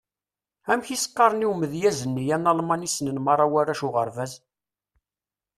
Amek i s-qqaren i umedyaz-nni analman i ssnen merra warrac uɣerbaz?